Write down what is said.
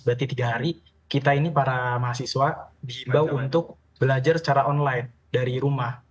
berarti tiga hari kita ini para mahasiswa dihimbau untuk belajar secara online dari rumah